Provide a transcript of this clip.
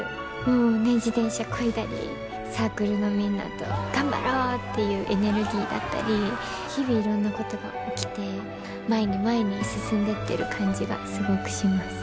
もうね自転車こいだりサークルのみんなと頑張ろうっていうエネルギーだったり日々いろんなことが起きて前に前に進んでってる感じがすごくします。